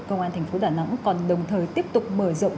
công an thành phố đà nẵng còn đồng thời tiếp tục mở rộng